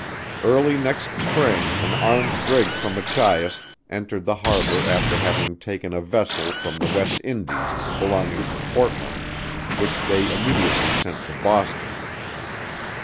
Early next spring an armed brig from Machias entered the harbour after having taken a vessel from the West Indies, belonging to Portland, which they immediately sent to Boston.